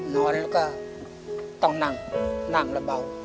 นอนแล้วต้องหนังและเบา